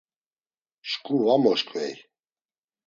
Şǩu va moşǩvey.